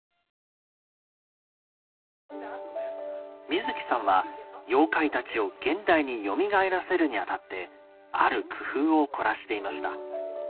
水木さんは妖怪たちを現代によみがえらせるにあたってある工夫を凝らしていました。